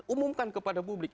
umumkan kepada publik